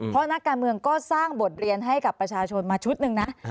เพราะนักการเมืองก็สร้างบทเรียนให้กับประชาชนมาชุดหนึ่งนะ